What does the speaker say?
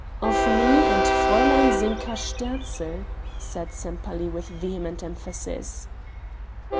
"Of me and Fräulein Zinka Sterzl," said Sempaly with vehement emphasis.